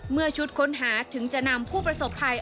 ชุดค้นหาถึงจะนำผู้ประสบภัย